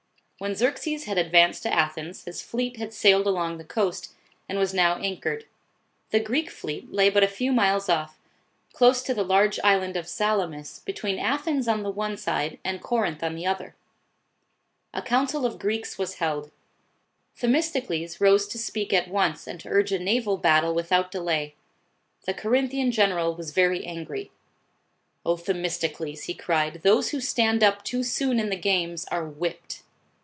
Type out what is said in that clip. When Xerxes had advanced to Athens, his fleet had sailed along the coast, and was now anchored. The Greek fleet lay but a few miles off, close to the large island of Salamis, between Athens on the one side and Corinth on the other. A council of Greeks was held. Themistocles rose B.C. 480.] PATRIOTISM OF ARISTIDES. 99 to speak at once and to urge a naval battle without delay. The Corinthian general was very angry. " O Themistocles," he cried, " those who stand up too soon in the games, are whipped."